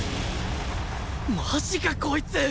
マジかこいつ！